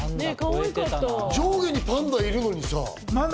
上下にパンダいるのにさ。